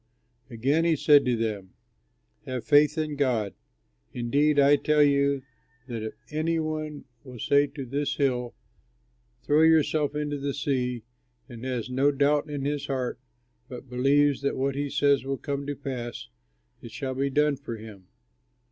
Again he said to them, "Have faith in God. Indeed I tell you that if any one will say to this hill, 'Throw yourself into the sea,' and has no doubt in his heart but believes that what he says will come to pass, it shall be done for him.